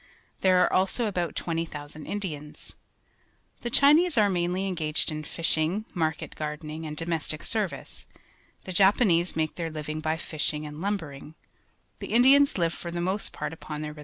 There are also about 20,000 Indians. The Chinese are mainly engaged in fishing, market gardening, and domestic service; the Japanese make their living by fishing and lumbering; the Indians live for the most part upon their re.